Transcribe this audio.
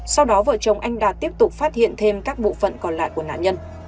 sau đó vợ chồng anh đạt tiếp tục phát hiện thêm các bộ phận còn lại của nạn nhân